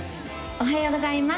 おはようございます